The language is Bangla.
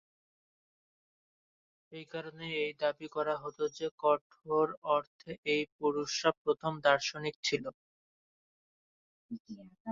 এই কারণেই এই দাবি করা হত যে, কঠোর অর্থে এই পুরুষরা প্রথম দার্শনিক ছিল।